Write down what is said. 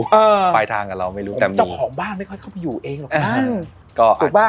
เจ้าของบ้านไม่ค่อยเข้าไปอยู่เองหรอกนะ